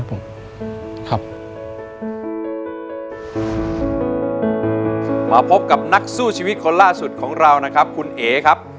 พบกับนักสู้ชีวิตคนล่าสุดของเรานะครับคุณเอ๋ครับ